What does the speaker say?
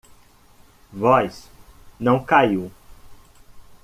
Voz não caiu